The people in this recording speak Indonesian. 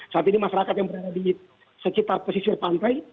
saat ini masyarakat yang berada di sekitar pesisir pantai